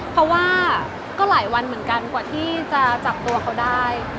เพราะว่าก็หลายวันเหมือนกันกว่าที่จะจับตัวเขาได้